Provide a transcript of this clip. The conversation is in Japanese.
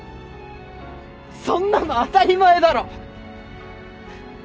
そんなの当たり前だろ！